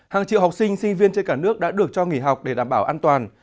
hàng triệu học sinh sinh viên trên cả nước đã được cho nghỉ học để đảm bảo an toàn